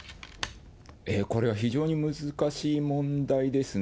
これは非常に難しい問題ですね。